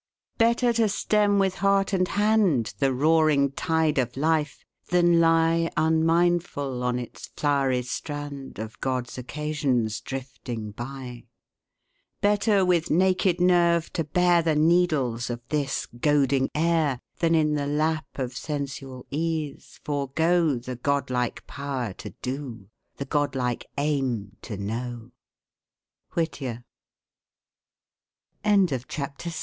] Better to stem with heart and hand The roaring tide of life, than lie, Unmindful, on its flowery strand, Of God's occasions drifting by! Better with naked nerve to bear The needles of this goading air, Than in the lap of sensual ease forego The godlike power to do, the godlike a